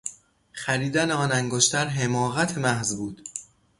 خریدن آن انگشتر حماقت محض بود.